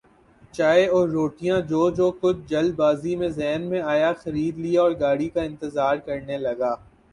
چائے اور روٹیاں جو جو کچھ جلد بازی میں ذہن میں آیا خرید لیااور گاڑی کا انتظار کرنے لگے ۔